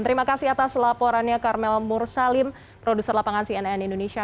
terima kasih atas laporannya karmel mursalim produser lapangan cnn indonesia